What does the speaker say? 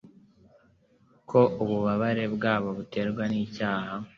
ko ububabare bwabo buterwa n’icyaha.